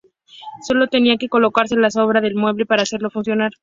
Sólo tenía que colocarse lo sobre un mueble para hacerlo funcionar.